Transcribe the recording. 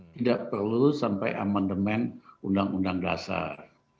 tidak perlu sampai amandemen undang undang dasar